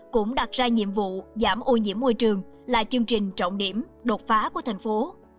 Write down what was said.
cũng đặt ra nhiệm vụ giảm ô nhiễm môi trường là chương trình trọng điểm đột phá của thành phố